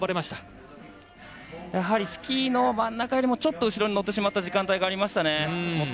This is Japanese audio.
スキーの真ん中よりもちょっと後ろに乗ってしまった時間帯がありましたね。